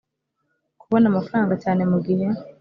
kubona amafaranga cyane mu gihe